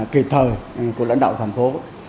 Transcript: kịp thời của lãnh đạo thành phố